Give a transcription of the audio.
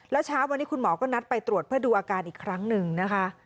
แล้วเช้าวันนี้คุณหมอก็นัดไปตรวจเพื่อดูอาการอีกครั้งหนึ่งนะคะ